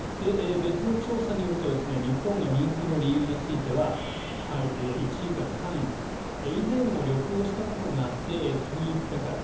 別の調査によると日本が人気の理由については１位から３位まで以前も旅行したことがあって気に入ったから。